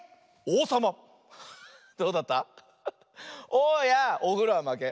オーやおふろはまけ。